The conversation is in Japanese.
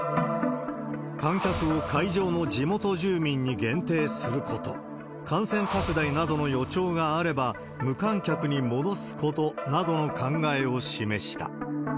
観客を会場の地元住民に限定すること、感染拡大などの予兆があれば、無観客に戻すことなどの考えを示した。